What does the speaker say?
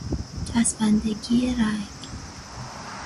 چسبندگی رنگ